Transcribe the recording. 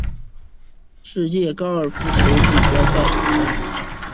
世界高尔夫球锦标赛主办。